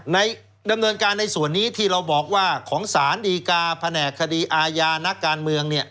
ดำเนินการในส่วนนี้ที่เราบอกว่าของสารดีกาแผนกคดีอาญานักการเมือง